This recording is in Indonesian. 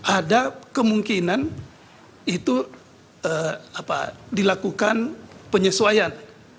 ada kemungkinan itu dilakukan penyesuaian